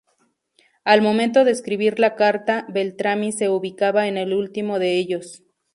Al momento de escribir la carta Beltrami se ubicaba en el último de ellos.